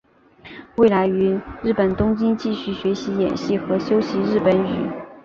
未来于日本东京继续学习演戏和修习日本语。